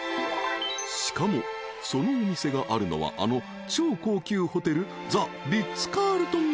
［しかもそのお店があるのはあの超高級ホテル］